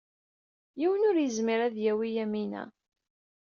Yiwen ur yezmir ad yawi Yamina.